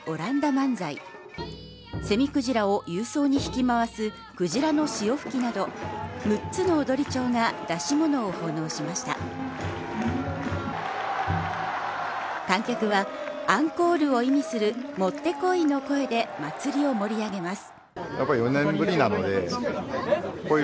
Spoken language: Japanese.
万歳セミクジラを勇壮に曳き回す鯨の潮吹きなど６つの踊町が出し物を奉納しました観客はアンコールを意味する「モッテコイ」の声で祭りを盛り上げます